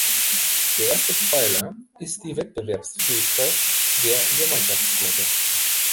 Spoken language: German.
Der erste Pfeiler ist die Wettbewerbsfähigkeit der Gemeinschaftsflotte.